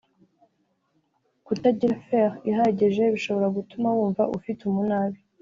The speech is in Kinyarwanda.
Kutagira Fer ihagije bishobora gutuma wumva ufite umunabi